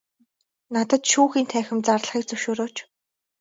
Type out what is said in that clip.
Надад шүүхийн танхим зарлахыг зөвшөөрөөч.